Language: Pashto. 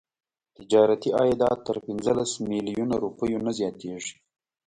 تجارتي عایدات تر پنځلس میلیونه روپیو نه زیاتیږي.